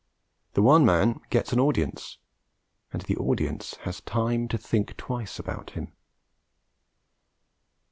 The one man gets an audience, and the audience has time to think twice about him.